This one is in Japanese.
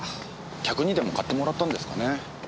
客にでも買ってもらったんですかね。